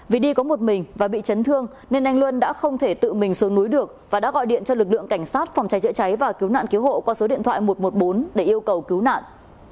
vì đi có một mình và bị chấn thương nên anh luân đã không thể tự mình xuống núi được và đã gọi điện cho lực lượng cảnh sát phòng cháy chữa cháy và cứu nạn cứu hộ qua số điện thoại một trăm một mươi bốn để yêu cầu cứu nạn